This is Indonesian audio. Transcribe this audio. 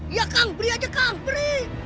iya kang beri aja kang beri